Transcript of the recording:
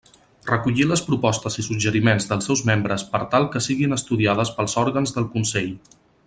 Recollir les propostes i suggeriments dels seus membres per tal que siguin estudiades pels òrgans del Consell.